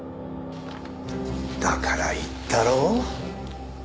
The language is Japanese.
だから言ったろう。